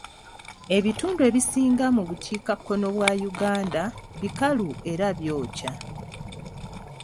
Ebitundu ebisinga mu bukiikakkono bwa Uganda bikalu era byokya.